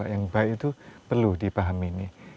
yang baik itu perlu dipahami ini